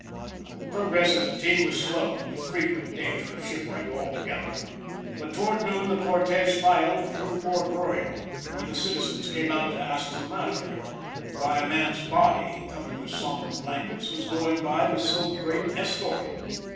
The progress of the team was slow, with frequent danger of shipwreck altogether, but toward noon the cortege filed through Port Royal, where the citizens came out to ask the matter, and why a man's body, covered with sombre blankets, was going by with so great escort.